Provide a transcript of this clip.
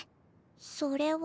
それは。